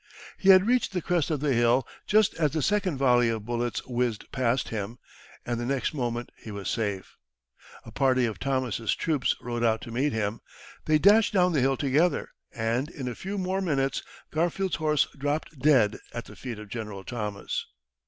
He had reached the crest of the hill just as the second volley of bullets whizzed past him, and the next moment he was safe. A party of Thomas's troops rode out to meet him, they dashed down the hill together, and in a few more minutes Garfield's horse dropped dead at the feet of General Thomas.